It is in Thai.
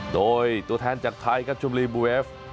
โดยตัวแทนจากไทยครับชมรีบูเวฟ